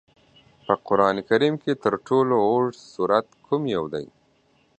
په قرآن کریم کې تر ټولو لوږد سورت کوم یو دی؟